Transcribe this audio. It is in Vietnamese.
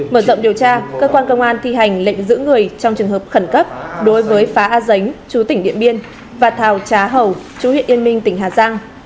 mở rộng điều tra cơ quan công an thi hành lệnh giữ người trong trường hợp khẩn cấp đối với phá a giấynh chú tỉnh điện biên và thảo trá hầu chú huyện yên minh tỉnh hà giang